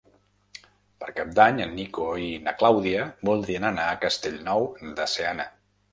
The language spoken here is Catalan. Per Cap d'Any en Nico i na Clàudia voldrien anar a Castellnou de Seana.